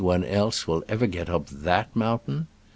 one else will ever get up that moun tain